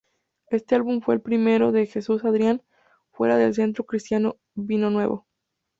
Este álbum fue el primero de Jesus Adrian fuera del centro cristiano vino nuevo.